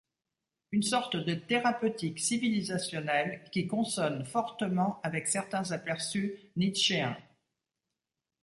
Une sorte de thérapeutique civilisationnelle qui consonne fortement avec certains aperçus nietzschéens.